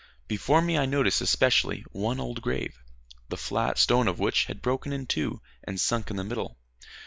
Before me I noticed especially one old grave, the flat stone of which had broken in two and sunk in the middle.